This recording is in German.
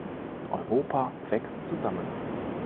Europa wächst zusammen.